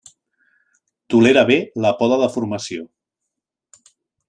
Tolera bé la poda de formació.